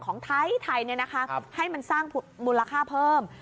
ของไทยให้มันสร้างมูลค่าเพิ่ม